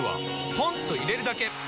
ポンと入れるだけ！